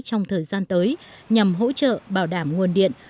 trong thời gian tới nhằm hỗ trợ bảo đảm nguồn điện